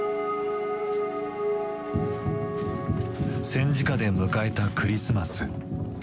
戦時下で迎えたクリスマス。